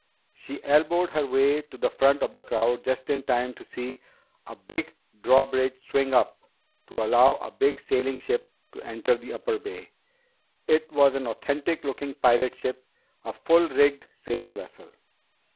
She elbowed her way to the front of the crowd just in time to see a big drawbridge swing up to allow a big sailing ship to enter the upper Bay. It was an authentic looking pirate ship, a full rigged sailing vessel.